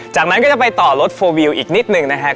จากนั้นก็จะไปต่อรถโฟลวิวอีกนิดหนึ่งนะครับ